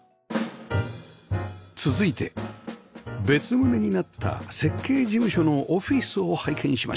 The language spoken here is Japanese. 続いて別棟になった設計事務所のオフィスを拝見しましょう